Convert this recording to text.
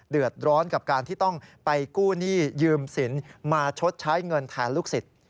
เดือดร้อนกับการที่ต้องไปกู้หนี้ยืมสินมาชดใช้เงินแทนลูกศิษย์